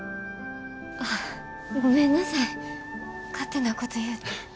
ああごめんなさい勝手なこと言うて。